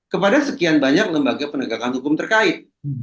kepada sekian banyak lembaga penegakan hukum terkait